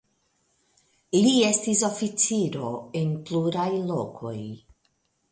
Li estis oficiro en pluraj lokoj.